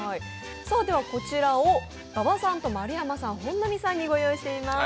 こちらを馬場さんと丸山さん、本並さんにご用意しています。